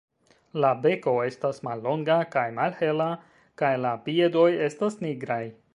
La beko estas mallonga kaj malhela kaj la piedoj estas nigraj.